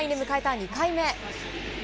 ２回目。